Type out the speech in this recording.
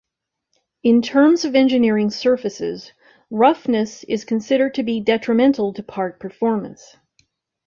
In terms of engineering surfaces, roughness is considered to be detrimental to part performance.